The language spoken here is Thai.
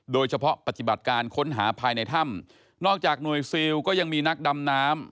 ปฏิบัติการค้นหาภายในถ้ำนอกจากหน่วยซิลก็ยังมีนักดำน้ำ